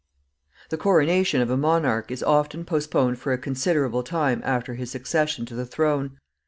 The coronation of a monarch is often postponed for a considerable time after his accession to the throne.